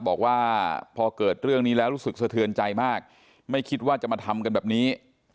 บอกว่าพอเกิดเรื่องนี้แล้วรู้สึกสะเทือนใจมากไม่คิดว่าจะมาทำกันแบบนี้